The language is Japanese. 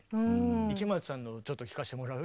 池松さんのをちょっと聴かせてもらう？